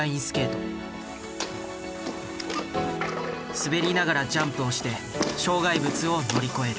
滑りながらジャンプをして障害物を乗り越える。